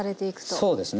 そうですね。